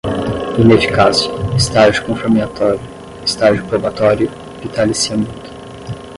ineficácia, estágio confirmatório, estágio probatório, vitaliciamento